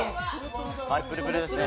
プルプルですね。